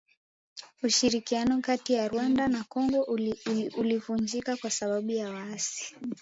Ushirikiano kati ya Rwanda na Kongo ulivunjika sababu ya waasi.